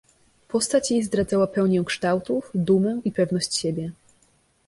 "Postać jej zdradzała pełnię kształtów, dumę i pewność siebie."